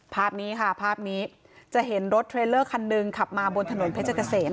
ภาพนี้ค่ะภาพนี้จะเห็นรถเทรลเลอร์คันหนึ่งขับมาบนถนนเพชรเกษม